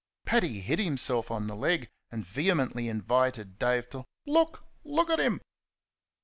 Paddy hit himself on the leg, and vehemently invited Dave to "Look, LOOK at him!"